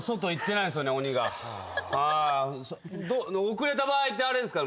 遅れた場合ってあれですか？